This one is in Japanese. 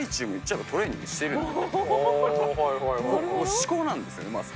思考なんですね、まず。